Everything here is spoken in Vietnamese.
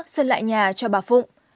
sân lại nhà cho bà phụng